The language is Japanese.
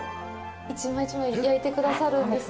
１枚１枚焼いてくださるんですか。